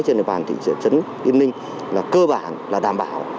trên địa bàn thị trấn yên ninh là cơ bản là đảm bảo